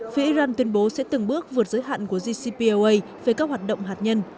phía iran tuyên bố sẽ từng bước vượt giới hạn của cpoa về các hoạt động hạt nhân